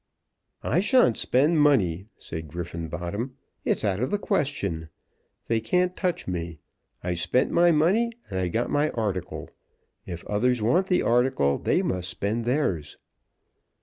"I shan't spend money," said Griffenbottom; "it's out of the question. They can't touch me. I've spent my money, and got my article. If others want the article, they must spend theirs."